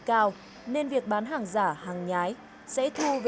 cái này là ipc thì nó rẻ hơn